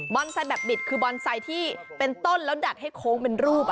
ไซค์แบบบิดคือบอนไซค์ที่เป็นต้นแล้วดัดให้โค้งเป็นรูป